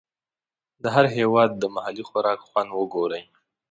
د هر هېواد د محلي خوراک خوند وګورئ.